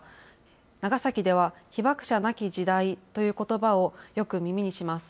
長崎では被爆者なき時代ということばを、よく耳にします。